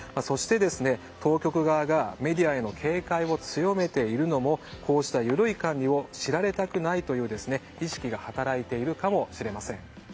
当局側がメディアへの警戒を強めているのもこうした緩い管理を知られたくないという意識が働いているかもしれません。